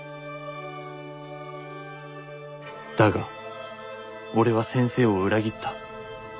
「だが俺は先生を裏切った。